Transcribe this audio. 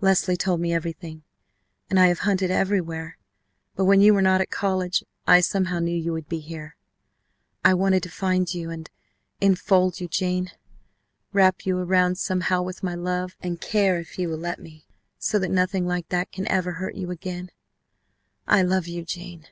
Leslie told me everything and I have hunted everywhere. But when you were not at college I somehow knew you would be here. I wanted to find you and enfold you, Jane wrap you around somehow with my love and care if you will let me, so that nothing like that can ever hurt you again. I love you, Jane.